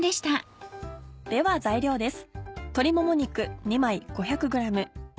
では材料です。